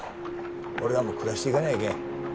俺らも暮らしていかないけん